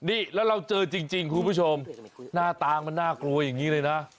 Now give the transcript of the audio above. นี่แล้วเราเจอจริงคุณผู้ชมหน้าตามันน่ากลัวอย่างนี้เลยนะ